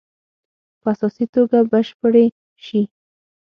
په اساسي توګه بشپړې شي.